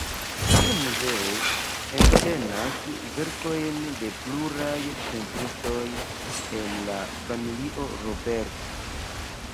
Tiu muzeo entenas verkojn de pluraj pentristoj el la familio Robert.